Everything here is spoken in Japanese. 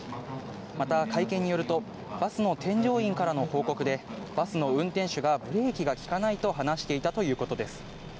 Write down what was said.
また会見によると、バスの添乗員からの報告で、バスの運転手が、ブレーキが利かないと話していたということです。